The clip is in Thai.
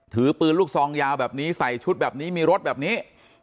ถือปืนลูกซองยาวแบบนี้ใส่ชุดแบบนี้มีรถแบบนี้